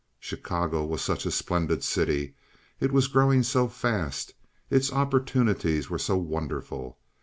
Chicago was such a splendid city. It was growing so fast. Its opportunities were so wonderful.